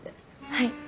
はい。